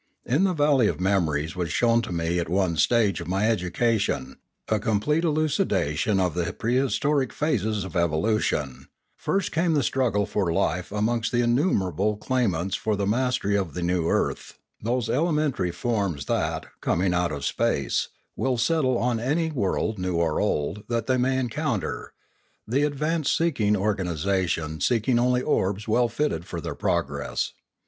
In the valley of memories was shown me at one stage of my education a complete elucidation of the prehistoric phases of evolution; first came the struggle for life amongst the innumerable claimants for the mastery of the new earth, those 676 Limanora elementary forms that, coming out of space, will settle on any world new or old that they may encounter, the advanced organisations seeking only orbs well fitted for their progress.